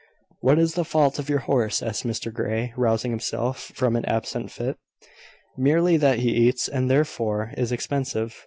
"What is the fault of your horse?" asked Mr Grey, rousing himself from an absent fit. "Merely that he eats, and therefore is expensive.